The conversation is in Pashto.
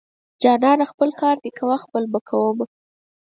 جانانه خپل کار دې کوه خپل به کوومه.